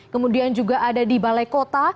kemudian juga ada di balai kota